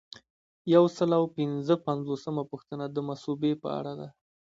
یو سل او پنځه پنځوسمه پوښتنه د مصوبې په اړه ده.